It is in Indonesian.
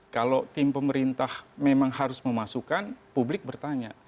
kalau tim pemerintah memang harus memasukkan publik bertanya